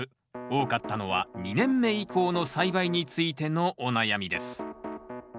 多かったのは２年目以降の栽培についてのお悩みです。